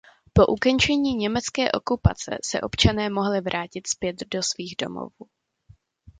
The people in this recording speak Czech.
Po ukončení německé okupace se občané mohli vrátit zpět do svých domovů.